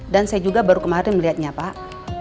dan saya juga baru kemarin melihatnya pak